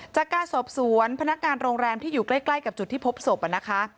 จากการสอบสวนพนักงานโรงแรมที่อยู่ใกล้กับจุดที่พบศพนะคะ